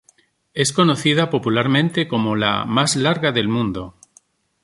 Es conocida popularmente como "La más larga del mundo".